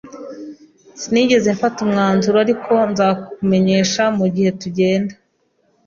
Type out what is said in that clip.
Sinigeze mfata umwanzuro, ariko nzakumenyesha mugihe tugenda.